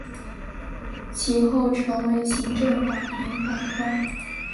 其后成为行政法庭法官。